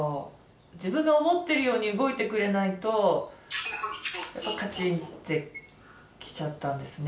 自分が思っているように動いてくれないとカチンって来ちゃったんですね。